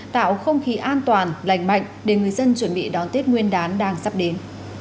tạo không khí an toàn lành mạnh để người dân chuẩn bị đón tết nguyên đán đang sắp đến